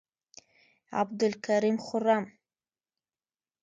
عبدالکریم خرم،